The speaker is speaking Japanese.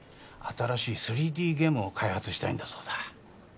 新しい３Ｄゲームを開発したいんだそうだ